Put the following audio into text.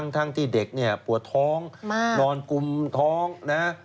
ทั้งที่เด็กเนี่ยปวดท้องนอนกุมท้องนะ